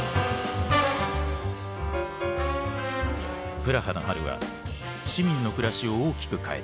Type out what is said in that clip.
プラハの春は市民の暮らしを大きく変えた。